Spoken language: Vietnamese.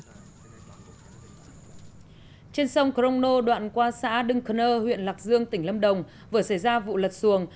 trên sông crono đoạn qua xã đưng ơ huyện lạc dương tỉnh lâm đồng vừa xảy ra vụ lật xuồng